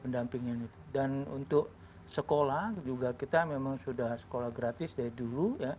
dan untuk sekolah juga kita memang sudah sekolah gratis dari dulu